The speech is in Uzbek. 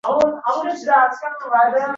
Xotira va qadrlash kuni muborak bo'lsin!